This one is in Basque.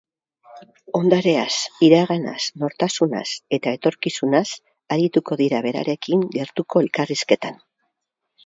Ondareaz, iraganaz, nortasunaz eta etorkizunaz arituko dira berarekin, gertuko elkarrizketan.